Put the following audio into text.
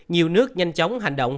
nhiều nước nhanh chóng hành động